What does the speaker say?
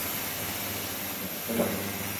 Lurralde ia osoa oihanak estaltzen du.